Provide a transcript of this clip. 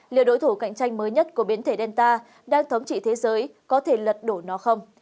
liệu đối thủ cạnh tranh mới nhất của biến thể delta đang thống trị thế giới có thể lật đổ nó không